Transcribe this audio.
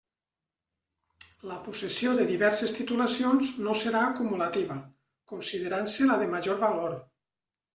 La possessió de diverses titulacions no serà acumulativa, considerant-se la de major valor.